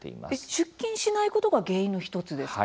出勤しないことが原因の１つですか？